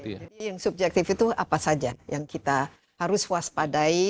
jadi yang subjektif itu apa saja yang kita harus waspadai